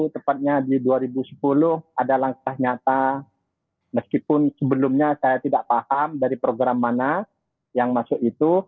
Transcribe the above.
tepatnya di dua ribu sepuluh ada langkah nyata meskipun sebelumnya saya tidak paham dari program mana yang masuk itu